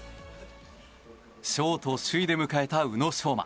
ショート首位で迎えた宇野昌磨。